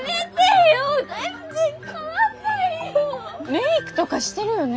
メークとかしてるよね？